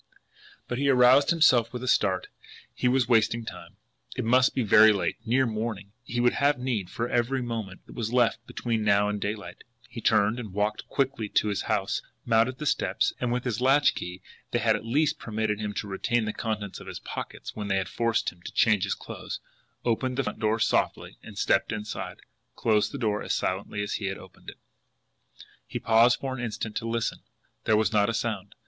But he aroused himself with a start he was wasting time! It must be very late, near morning, and he would have need for every moment that was left between now and daylight. He turned, walked quickly to his house, mounted the steps, and with his latch key they had at least permitted him to retain the contents of his pockets when they had forced him to change his clothes opened the front door softly, and, stepping inside, closed the door as silently as he had opened it. He paused for an instant to listen. There was not a sound.